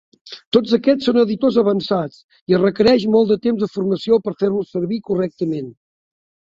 Tots aquests són editors avançats i es requereix molt de temps de formació per fer-los servir correctament.